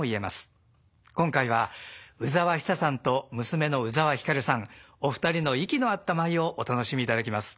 今回は鵜澤久さんと娘の鵜澤光さんお二人の息の合った舞をお楽しみいただきます。